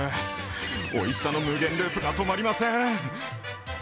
おいしさの無限ループが止まりません。